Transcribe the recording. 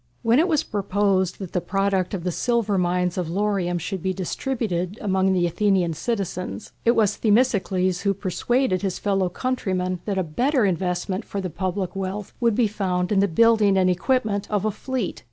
When it was proposed that the product of the silver mines of Laurium should be distributed among the Athenian citizens, it was Themistocles who persuaded his fellow countrymen that a better investment for the public wealth would be found in the building and equipment of a fleet.